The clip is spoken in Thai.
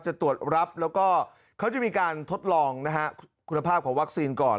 จะตรวจรับแล้วก็เขาจะมีการทดลองนะฮะคุณภาพของวัคซีนก่อน